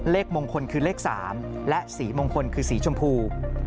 เลขมงคลคือเลข๓และสีมงคลคือสีชมพู